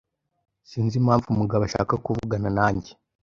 Sinzi impamvu Mugabo ashaka kuvugana nanjye.